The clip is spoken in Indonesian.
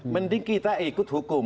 mending kita ikut hukum